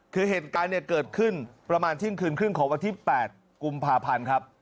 คือเหตุการณ์เนี่ยเกิดขึ้นประมาณเที่ยงคืนครึ่งของวันที่๘กุมภาพันธ์ครับ